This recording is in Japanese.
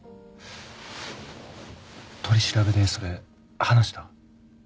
取り調べでそれ話した？